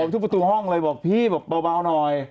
ทุบประตูห้องเลยบอกพี่บอกเบาหน่อย